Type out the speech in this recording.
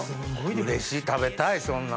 うれしい食べたいそんなん。